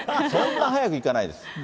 そんな早くいかないです。